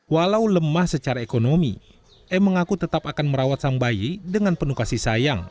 walau lemah secara ekonomi e mengaku tetap akan merawat sang bayi dengan penuh kasih sayang